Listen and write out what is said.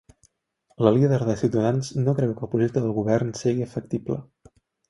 La líder de Ciutadans no creu que el projecte del govern sigui factible.